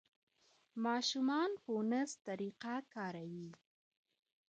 ماشومان فونس طریقه کاروي.